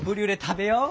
食べよう！